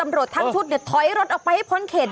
บ้าจริงเดี๋ยวเดี๋ยว